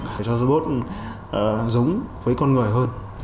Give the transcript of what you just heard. để cho robot giống với con người hơn